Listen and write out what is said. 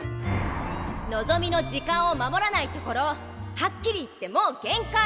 のぞみの時間を守らないところはっきり言ってもう限界！